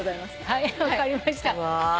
はい分かりました。